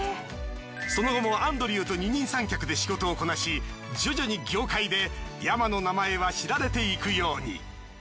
その後もアンドリューと二人三脚で仕事をこなし徐々に業界でＹＡＭＡの名前は知られていくように。